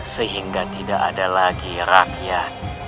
sehingga tidak ada lagi rakyat